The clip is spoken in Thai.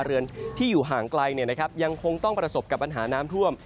เรือนที่อยู่ห่างไกลยังคงต้องประสบกับปัญหาน้ำท่วม